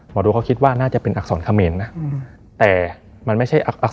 หมอดูเขาคิดว่าน่าจะเป็นอักษรเขมรนะ